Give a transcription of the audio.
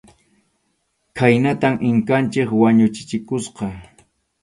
Khaynatam Inkanchik wañuchichikusqa.